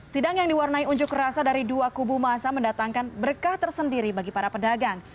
sidang yang diwarnai unjuk rasa dari dua kubu masa mendatangkan berkah tersendiri bagi para pedagang